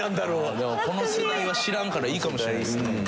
でもこの世代は知らんからいいかもしれない。